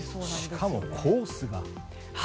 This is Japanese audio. しかも、コースが。